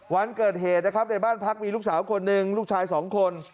วันเกิดเหตุนะครับในบ้านพักมีลูกสาวคนหนึ่งลูกชายสองคน